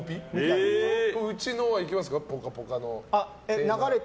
うちのはいけますか「ぽかぽか」のテーマ。